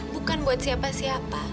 bukan buat siapa siapa